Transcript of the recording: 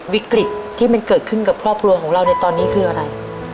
วิกฤตที่มันเกิดขึ้นกับครอบครัวของเราในตอนนี้คืออะไร